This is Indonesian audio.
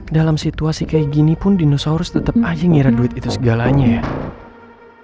dalam situasi kayak gini pun dinosaurus tetap aja ngira duit itu segalanya ya